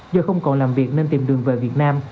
do không còn làm việc nên tìm đường về việt nam